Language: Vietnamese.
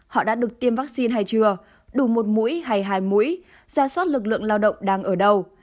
họ đã được tiêm vaccine hay chưa đủ một mũi hay hai mũi ra soát lực lượng lao động đang ở đâu